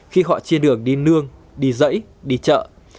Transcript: khi họ trên đường đi nương đi dẫy đi chợ